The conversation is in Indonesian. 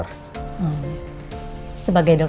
tetap mendampingi dia